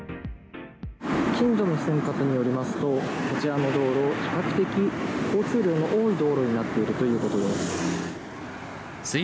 近所の人によるとこちらの道路比較的、交通量の多い道路となっているということです。